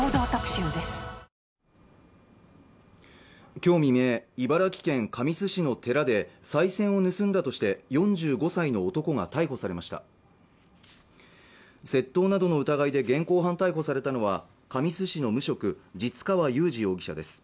今日未明、茨城県神栖市の寺でさい銭を盗んだとして４５歳の男が逮捕されました窃盗などの疑いで現行犯逮捕されたのは神栖市の無職・実川雄二容疑者です